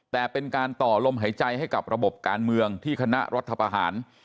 แต่เป็นการต่อลมหายใจให้กับระบบการเมืองที่คณะรัฐประหาร